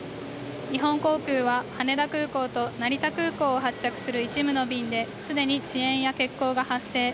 日本航空は羽田空港と成田空港を発着する一部の便で既に遅延や欠航が発生。